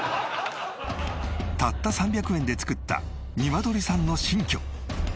たった３００円で作ったニワトリさんの新居。